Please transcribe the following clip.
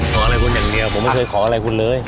ขออะไรคุณอย่างเดียวผมไม่เคยขออะไรคุณเลย